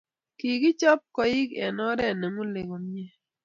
Kikichob koik eng oree ne ng'ulei komiee.